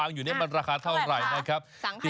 ประมาภาพเท่าไหร่นะครับ